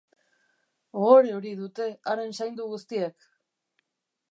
Ohore hori dute haren saindu guztiek!.